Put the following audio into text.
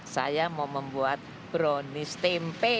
saya mau membuat brownies tempe